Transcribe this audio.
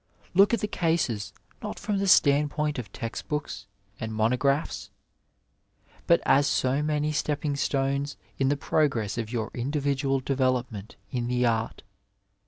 Look at the cases not from the standpoint of text books and monographs, but as so many stepping stones in the progress of your individual development in the art.